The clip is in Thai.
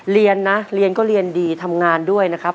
เรียนนะเรียนก็เรียนดีทำงานด้วยนะครับ